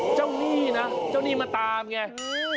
เจ้านี่นะเจ้านี่มาตามไง